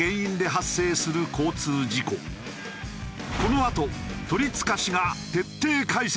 このあと鳥塚氏が徹底解説する。